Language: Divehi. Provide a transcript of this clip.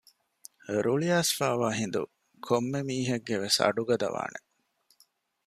ރުޅިއައިސްފައިވާ ހިނދު ކޮންމެ މީހެއްގެވެސް އަޑު ގަދަވާނެ